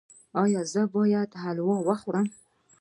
ایا زه باید حلوا وخورم؟